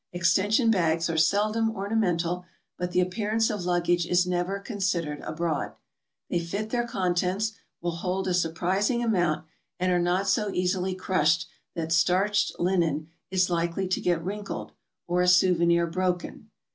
Extension bags are seldom ornamental, but the appearance of luggage is never considered abroad. They fit their contents, will hold a sur prising amount, and are not so easily crushed that starched linen is likely to get wrinkled, or a souvenir broken.